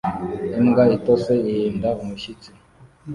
Imbwa itose ihinda umushyitsi